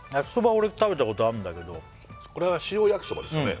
俺食べたことあるんだけどこれは塩ヤキソバですよね